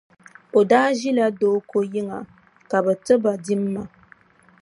O daa ʒila Dooko yiŋa ka bɛ ti ba dimma.